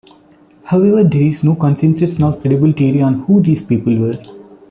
However, there is no consensus nor credible theory on who these people were.